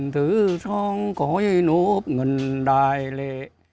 thứ son cõi nộp ngần đài lệ